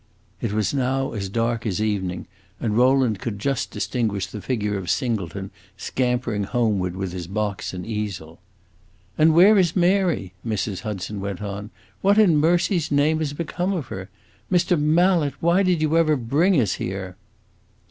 It was now as dark as evening, and Rowland could just distinguish the figure of Singleton scampering homeward with his box and easel. "And where is Mary?" Mrs. Hudson went on; "what in mercy's name has become of her? Mr. Mallet, why did you ever bring us here?"